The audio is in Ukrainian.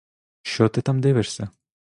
Що ти там дивишся?